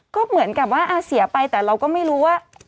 ก็เหมือนกับว่าเสียไปแต่เราก็ไม่รู้ว่า